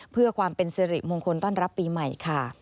เพื่อความเป็นสิริมงคลต้อนรับปีใหม่ค่ะ